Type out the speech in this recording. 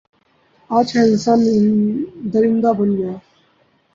آج کا انسان درندہ بن گیا ہے